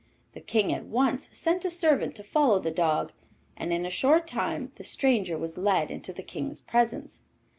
The King at once sent a servant to follow the dog, and in a short time the stranger was led into the Kings presence.